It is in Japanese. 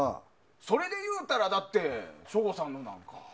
それでいうたらだって省吾さんのなんか。